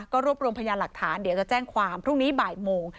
รวบรวมพยานหลักฐานเดี๋ยวจะแจ้งความพรุ่งนี้บ่ายโมง